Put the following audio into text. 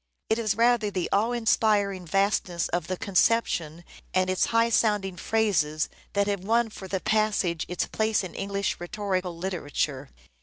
It is rather the awe inspiring vastness of the conception and its high sound ing phrases that have won for the passage its place in English rhetorical literature.